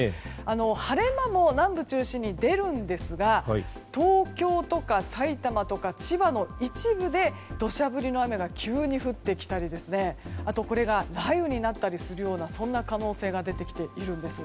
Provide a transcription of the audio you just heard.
晴れ間も南部中心に出るんですが東京とか埼玉とか千葉の一部で土砂降りの雨が急に降ってきたりあと、雷雨になったりするような可能性が出てきているんです。